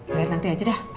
lihat nanti aja dah